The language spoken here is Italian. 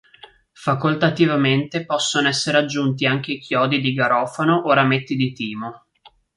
Facoltativamente possono essere aggiunti anche i chiodi di garofano o rametti di timo.